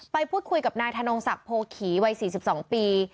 ไปพูดคุยกับนายธนงศักดิ์โพขีวัยสี่สิบสองปี